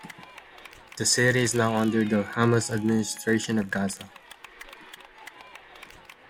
The city is now under the Hamas administration of Gaza.